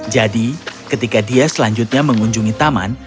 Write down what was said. jadi ketika dia selanjutnya mengunjungi taman